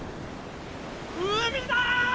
海だ！